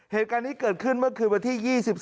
เหตุการณ์นี้เกิดขึ้นเมื่อคืนวันที่๒๔